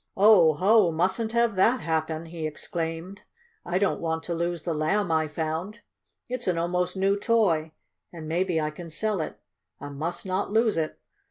"Oh, ho! Mustn't have that happen!" he exclaimed. "I don't want to lose the Lamb I found. It's an almost new toy, and maybe I can sell it. I must not lose it!"